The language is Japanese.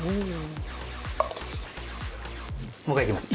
もう一回いきます。